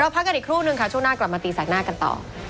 พักกันอีกครู่นึงค่ะช่วงหน้ากลับมาตีแสกหน้ากันต่อ